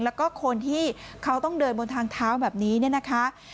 แล้วก็คนที่เขาต้องเดินบนทางเท้าแบบนี้เนี่ยนะคะ